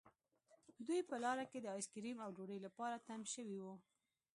دوی په لاره کې د آیس کریم او ډوډۍ لپاره تم شوي وو